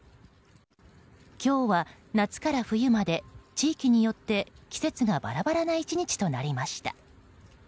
今日は夏から冬まで地域によって季節がバラバラな１日となりました。